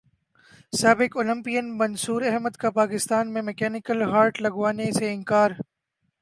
سابق اولمپئن منصوراحمد کا پاکستان میں مکینیکل ہارٹ لگوانے سے انکار